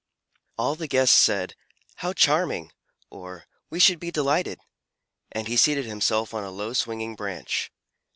All the guests said, "How charming!" or, "We should be delighted!" and he seated himself on a low swinging branch.